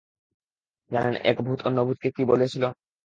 জানেন, এক ভূত অন্য ভুতকে কী বলেছিল?